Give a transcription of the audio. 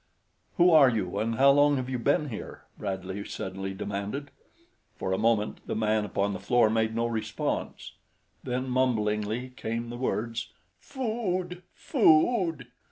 "Who are you and how long have you been here?" Bradley suddenly demanded. For a moment the man upon the floor made no response, then mumblingly came the words: "Food! Food!"